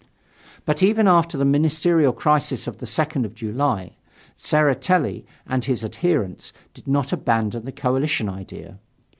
But even after the ministerial crisis of the 2nd of July, Tseretelli and his adherents did not abandon the coalition idea.